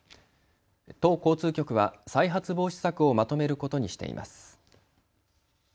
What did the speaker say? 都交通局は再発防止策をまとめることにしています。